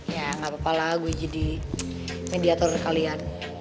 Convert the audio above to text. ya gapapalah gue jadi mediator kalian